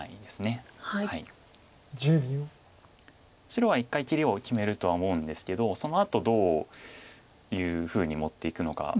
白は一回切りを決めるとは思うんですけどそのあとどういうふうに持っていくのか。